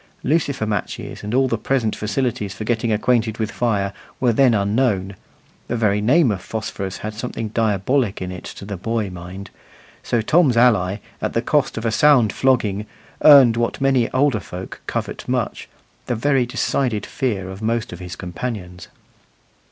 Lucifer matches and all the present facilities for getting acquainted with fire were then unknown the very name of phosphorus had something diabolic in it to the boy mind; so Tom's ally, at the cost of a sound flogging, earned what many older folk covet much the very decided fear of most of his companions.